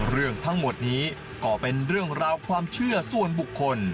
เรื่องทั้งหมดนี้ก็เป็นเรื่องราวความเชื่อส่วนบุคคล